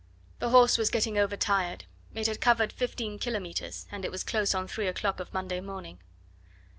The horse was getting over tired; it had covered fifteen kilometres, and it was close on three o'clock of Monday morning.